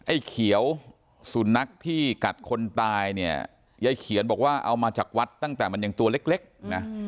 ไอ้เขียวสุนัขที่กัดคนตายเนี่ยยายเขียนบอกว่าเอามาจากวัดตั้งแต่มันยังตัวเล็กนะ